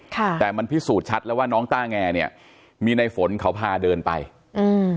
ค่ะแต่มันพิสูจน์ชัดแล้วว่าน้องต้าแงเนี้ยมีในฝนเขาพาเดินไปอืม